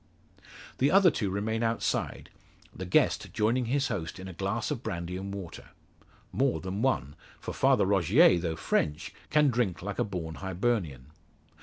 The other two remain outside, the guest joining his host in a glass of brandy and water. More than one; for Father Rogier, though French, can drink like a born Hibernian.